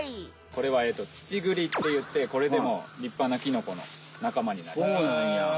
これはツチグリっていってこれでもりっぱなキノコのなかまになります。